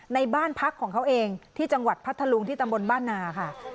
ในบ้านพักของเขาเองที่จังหวัดพัทธลุงที่ตำบลบ้านนาค่ะ